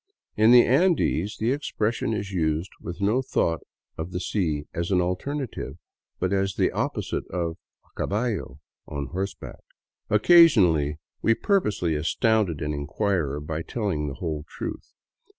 In the Andes the expression is used with no thought of the sea as an alternative, but as the opposite of "A caballo " (On horseback). Occasionally we purposely astounded an inquirer by telling the whole truth.